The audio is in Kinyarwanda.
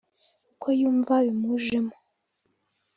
kuko yumva bimujemo